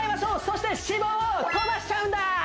そして脂肪を飛ばしちゃうんだ！